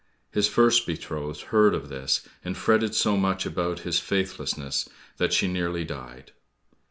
His first betrothed heard of this, and fretted so much about his faithlessness that she nearly died.